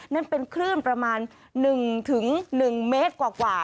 นั่นเป็นคลื่นประมาณ๑๑เมตรกว่า